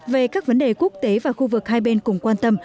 về các vấn đề quốc tế và khu vực hai bên cùng quan tâm